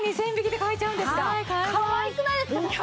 かわいくないですか？